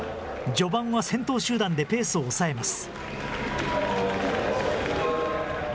序盤は先頭集団でペースを抑えます。